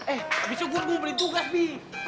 eh abis itu gue beli tugas nih